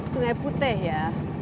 sungai putih ya